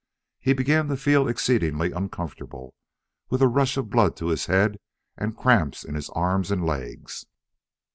He began to feel exceedingly uncomfortable, with a rush of blood to his head, and cramps in his arms and legs.